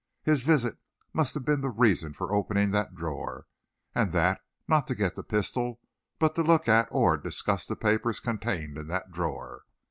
His visit must have been the reason for opening that drawer, and that not to get the pistol, but to look at or discuss the papers contained in that drawer.